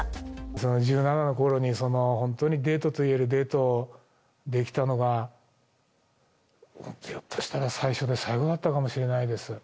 その１７のころに、本当にデートといえるデートできたのが、ひょっとしたら最初で最後だったかもしれないです。